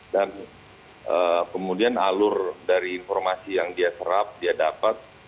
dan kemudian alur dari informasi yang dia serap dia dapat